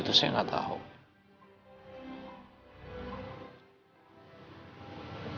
itu tahu kok